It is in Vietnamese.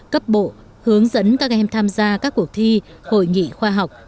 cấp bộ hướng dẫn các em tham gia các cuộc thi hội nghị khoa học